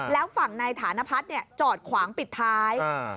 แล้วฝั่งในฐานพัฒน์จอดขวางปิดท้าย